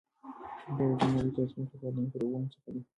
هغوی وایي چې نړۍ ته اصلي خطر له میکروبونو څخه دی.